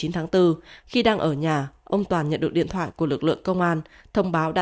chín tháng bốn khi đang ở nhà ông toàn nhận được điện thoại của lực lượng công an thông báo đã